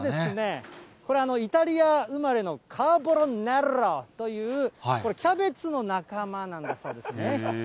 これがイタリア生まれのカーボロネロというこれ、キャベツの仲間なんだそうですね。